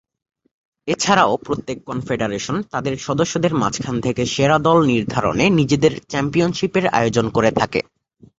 এছাড়াও, প্রত্যেক কনফেডারেশন তাদের সদস্যদের মাঝখান থেকে সেরা দল নির্ধারণে নিজেদের চ্যাম্পিয়নশীপের আয়োজন করে থাকে।